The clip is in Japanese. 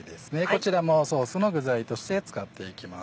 こちらもソースの具材として使っていきます。